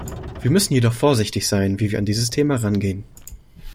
Wir müssen jedoch vorsichtig sein, wie wir an dieses Thema herangehen.